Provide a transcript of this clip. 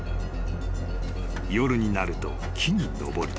［夜になると木に登り